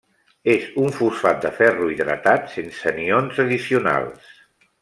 És un fosfat de ferro hidratat, sense anions addicionals.